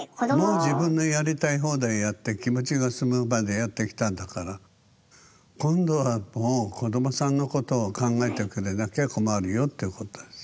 もう自分のやりたい放題やって気持ちが済むまでやってきたんだから今度はもう子どもさんのことを考えてくれなきゃ困るよってことです。